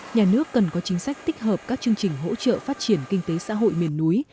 nhà nước cần có chính sách tích hợp các chương trình hỗ trợ phát triển kinh tế xã hội miền núi